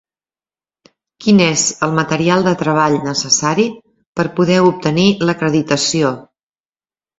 Quin és el material de treball necessari per poder obtenir l'acreditació?